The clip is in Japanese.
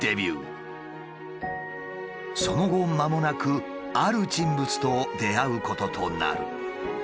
その後まもなくある人物と出会うこととなる。